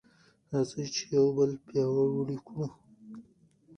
راځئ چې یو بل پیاوړي کړو.